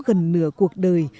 gần nửa cuộc đời